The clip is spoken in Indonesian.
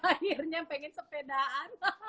akhirnya pengen sepedaan